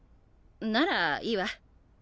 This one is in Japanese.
ならいいわ。